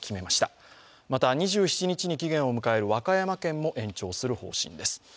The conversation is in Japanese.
また２７日に期限を迎える和歌山県も延長する方針です。